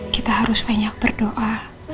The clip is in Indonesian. kita harus banyak berdoa